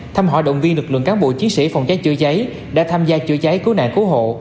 thăm hỏi động viên lực lượng cán bộ chiến sĩ phòng cháy chữa cháy đã tham gia chữa cháy cứu nạn cứu hộ